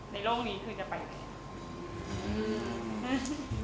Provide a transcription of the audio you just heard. โลกนี้คือจะไปไหน